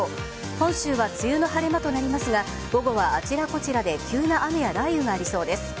本州は梅雨の晴れ間となりますが午後はあちらこちらで急な雨や雷雨がありそうです。